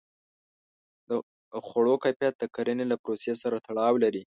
د خوړو کیفیت د کرنې له پروسې سره تړاو لري.